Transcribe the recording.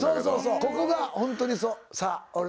そうそうここがホントにそう。